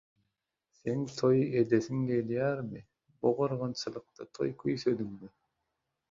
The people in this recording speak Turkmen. Seň toý edesiň gelýärmi? Bu gyrgynçylykda toý küýsediňmi?